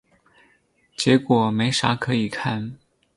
结果没啥可以看